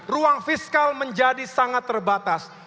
ruang fiskal menjadi sangat terbatas